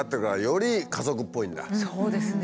そうですね。